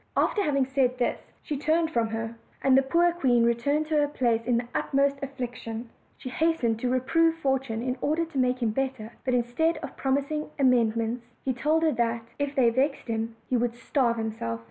After having said this, she turned from her, and the poor queen returned to. her palace in the utmost affliction, OLD, OLD FAIRY TALES. 117 She hastened to reprove Fortune, in order to make him better; but instead of promising amendment, he told her that, if they vexed him, he would starve himself.